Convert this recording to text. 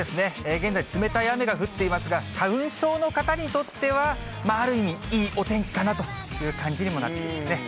現在、冷たい雨が降っていますが、花粉症の方にとっては、ある意味、いいお天気かなという感じにもなっていますね。